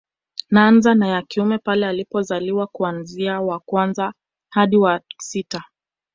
Naanza na ya kiume pale anapozaliwa kuanzia wa kwanza hadi wa wa sita